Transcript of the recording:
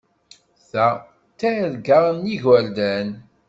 Ta d targa n yigerdan.